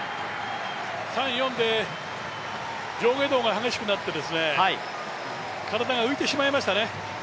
３、４で上下動が激しくなって体が浮いてしまいましたね。